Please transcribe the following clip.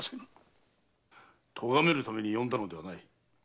とがめるために呼んだのではない。